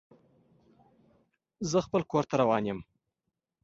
زه خپل کور ته روان یم.